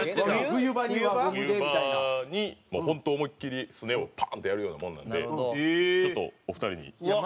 冬場に本当思いっきりすねをパンッてやるようなものなんでちょっとお二人に。